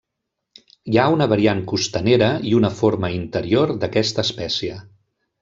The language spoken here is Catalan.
Hi ha una variant costanera i una forma interior d'aquesta espècie.